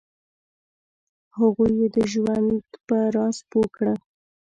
هغوی یې د ژوند په راز پوه کړه.